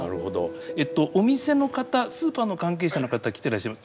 えっとお店の方スーパーの関係者の方来てらっしゃいます。